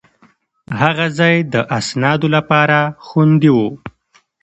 هغه ځای د اسنادو لپاره خوندي و.